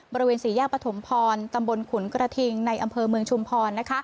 บริเวณสี่แยกปฐมพรตำบลขุนกระทิงในอำเภอเมืองชุมพร